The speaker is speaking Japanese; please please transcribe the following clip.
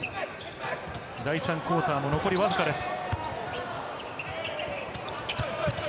第３クオーターも残りわずかです。